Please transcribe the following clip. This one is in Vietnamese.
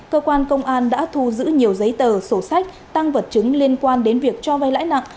cơ quan công an đã thu giữ nhiều giấy tờ sổ sách tăng vật chứng liên quan đến việc cho vay lãi nặng